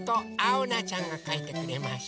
おなちゃんがかいてくれました。